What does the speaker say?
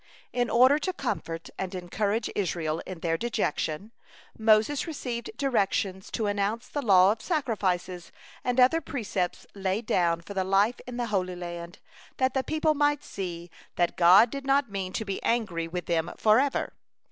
'" In order to comfort and encourage Israel in their dejection, Moses received directions to announce the law of sacrifices, and other precepts laid down for the life in the Holy Land, that the people might see that God did not mean to be angry with them forever.